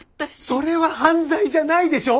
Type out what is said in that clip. それは犯罪じゃないでしょ？